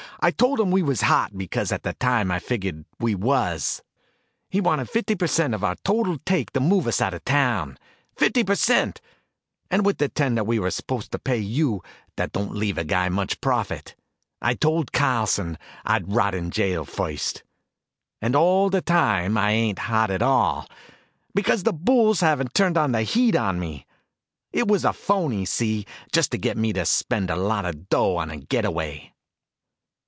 I told him we was hot, because at the time I figured we was. He wanted fifty per cent of our total take to move us out of town. Fifty per cent, and with the ten that we are supposed to pay you, that don't leave a guy much profit. I told Carlson I'd rot in jail first. And all the time, I ain't hot at all, because the bulls haven't turned the heat on me. It was a phoney, see, just to get me to spend a lot of dough on a get away."